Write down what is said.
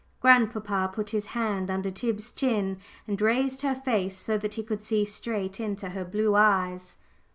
Grandpapa put his hand under Tib's chin, and raised her face so that he could see straight into her blue eyes.